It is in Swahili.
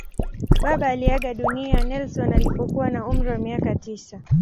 Baba aliaga dunia Nelson alipokuwa na umri wa miaka tisa.